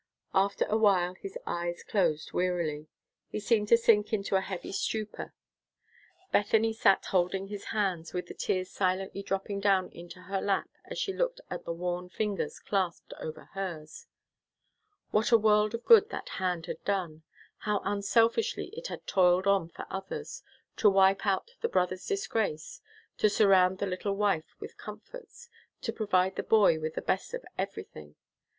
After awhile his eyes closed wearily. He seemed to sink into a heavy stupor. Bethany sat holding his hand, with the tears silently dropping down into her lap as she looked at the worn fingers clasped over hers. What a world of good that hand had done! How unselfishly it had toiled on for others, to wipe out the brother's disgrace, to surround the little wife with comforts, to provide the boy with the best of everything!